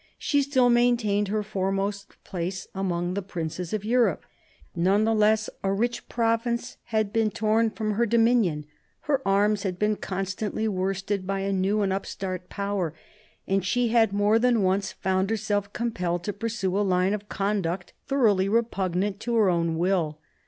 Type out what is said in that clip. She still maintained her foremost place among the princes of Europe. None the less a rich province 1748 57 THE EARLY REFORMS 65 had been torn from her dominion ; her arms had been constantly worsted by a new and upstart Power ; and she had more than once found herself compelled to pursue a line of conduct thoroughly repugnant to her own will.